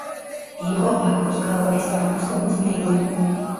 იყო ბაქოს ქალაქის აღმასკომის მდივანი.